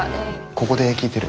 ここで聞いてる。